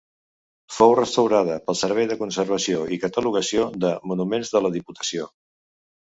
Fou restaurada pel Servei de Conservació i Catalogació de Monuments de la Diputació.